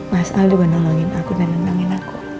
mas al juga nolongin aku dan nenangin aku